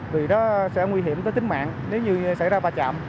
vì nó sẽ nguy hiểm tới tính mạng nếu như xảy ra va chạm